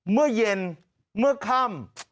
เมื่อเย็นเมื่อค่ำ